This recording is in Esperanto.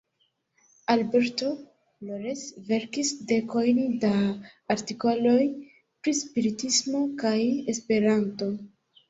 Alberto Flores verkis dekojn da artikoloj pri spiritismo kaj Esperanto.